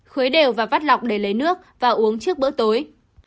khuế đều và vắt lọc để lấy nước và uống trước bữa tối